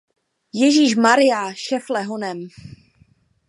Ježíšmarjá, Šefle, honem!